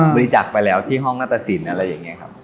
บริจักษ์ไปแล้วที่ห้องนัตตสินอะไรแบบนี้ครับ